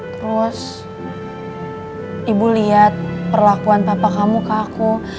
terus ibu lihat perlakuan papa kamu ke aku